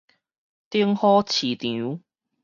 頂好市場